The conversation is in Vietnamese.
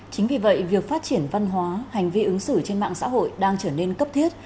chính vì vậy việc phát triển văn hóa hành vi ứng xử trên mạng xã hội đang trở nên cấp thiết